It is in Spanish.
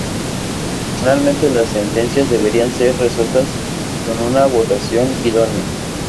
Adicionalmente, las sentencias deberán ser resueltas con una votación idónea.